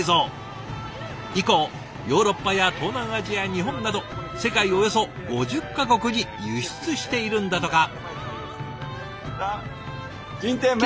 以降ヨーロッパや東南アジア日本など世界およそ５０か国に輸出しているんだとか。